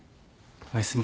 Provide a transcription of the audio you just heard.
おやすみ。